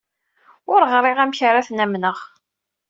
Ur ɣriɣ amek ara ten-amneɣ.